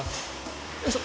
よいしょ。